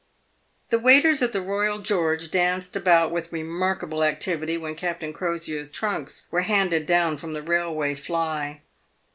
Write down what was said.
The waiters at the Eoyal George danced about with remarkable activity when Captain Crosier' s trunks were handed down from the railway fly.